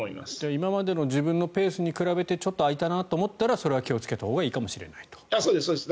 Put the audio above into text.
今までの自分のペースに比べてちょっと空いたなと思ったらそれは気をつけたほうがいいかもしれないと。